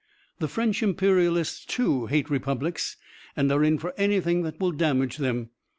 The French Imperialists, too, hate republics, and are in for anything that will damage them.